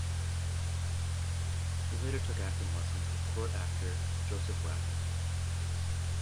He later took acting lessons with court actor Joseph Wagner.